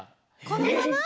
このまま！？